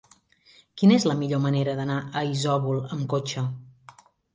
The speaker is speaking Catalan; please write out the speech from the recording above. Quina és la millor manera d'anar a Isòvol amb cotxe?